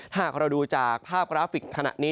หากเราดูจากภาพกราฟิกขณะนี้